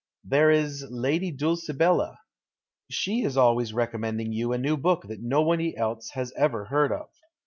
There is Lady Dulcibclla. She is always recommending you a new book that nobody else has ever heard of.